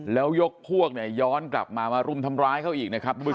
แล้วยกพวกย้อนกลับมาทำร้ายเขาอีก